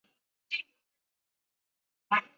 安菲阿拉俄斯。